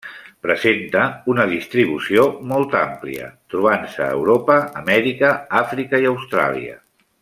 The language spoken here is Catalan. Presenta una distribució molt àmplia, trobant-se a Europa, Amèrica, Àfrica i Austràlia.